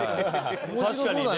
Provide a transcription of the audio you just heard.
確かにね。